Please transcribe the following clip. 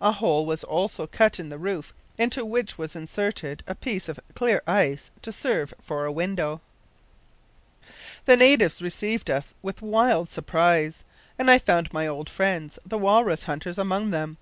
A hole was also cut in the roof, into which was inserted a piece of clear ice, to serve for a window. "The natives received us with wild surprise, and I found my old friends, the walrus hunters, among them.